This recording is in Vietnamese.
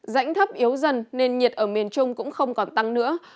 rãnh thấp yếu dần nên nhiệt ở miền trung cũng không còn tăng nữa